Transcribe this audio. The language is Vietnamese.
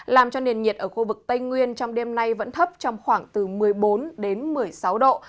làm cho nền nhiệt ở khu vực tây nguyên trong đêm nay vẫn thấp trong khoảng từ một mươi bốn đến một mươi sáu độ